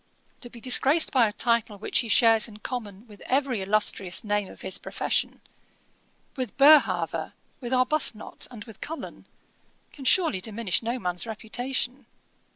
To be disgraced by a title which he shares in common with every illustrious name of his profession, with Boerhaave, with Arbuthnot, and with Cullen, can surely diminish no man's reputation.